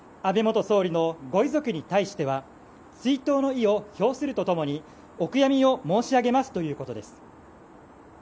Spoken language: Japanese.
安倍元総理のご遺族に対しては追悼の意を表するとともにお悔やみを申し上げますということです。